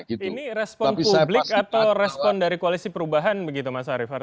ini respon publik atau respon dari koalisi perubahan begitu mas arief